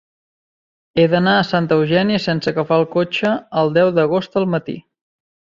He d'anar a Santa Eugènia sense agafar el cotxe el deu d'agost al matí.